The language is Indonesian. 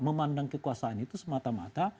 memandang kekuasaan itu semata mata